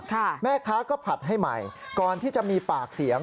แม่ค้าก็ผัดให้ใหม่ก่อนที่จะมีปากเสียง